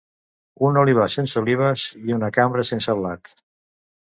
Un olivar sense olives i una cambra sense blat.